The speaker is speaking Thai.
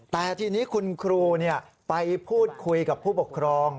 แต่ทีนี้คุณครูไปพูดคุยกับผู้ปกครอง